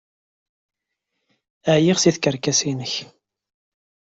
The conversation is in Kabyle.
Ɛyiɣ seg tkerkas-nnek!